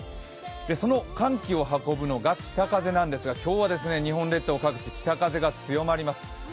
その寒気を運ぶのが北風なんですが、今日は日本列島各地、北風が強まります。